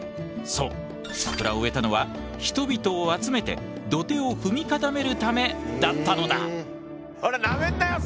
そう桜を植えたのは人々を集めて土手を踏み固めるためだったのだ。